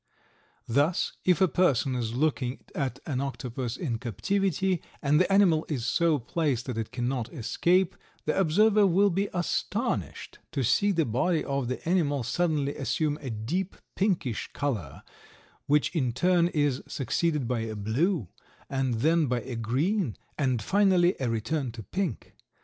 Thus, if a person is looking at an octopus in captivity and the animal is so placed that it cannot escape, the observer will be astonished to see the body of the animal suddenly assume a deep pinkish color which in turn is succeeded by a blue and then by a green, and finally a return to pink.